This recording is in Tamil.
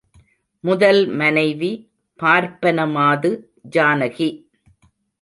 முதல் மனைவி பார்ப்பன மாது, ஜானகி.